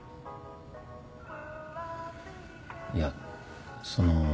いやその。